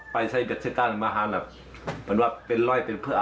ไปใช้เบ็ดเซตาลมาหาแต่ว่าเป็นรอยเป็นเพื่อ